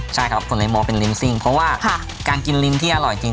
ใช่ครับผมเลยมองเป็นลิ้นซิ่งเพราะว่าการกินลิ้นที่อร่อยจริง